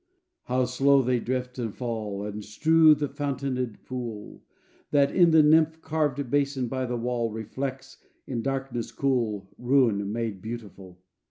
How slow they drift and fall And strew the fountained pool, That, in the nymph carved basin by the wall, Reflects, in darkness cool, Ruin made beautiful.